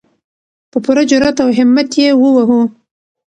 په پوره جرئت او همت یې ووهو.